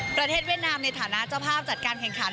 เวียดนามในฐานะเจ้าภาพจัดการแข่งขัน